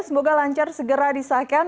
semoga lancar segera disahkan